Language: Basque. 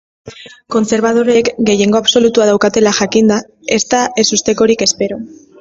Kontserbadoreek gehiengo absolutua daukatela jakinda, ez da ezustekorik espero.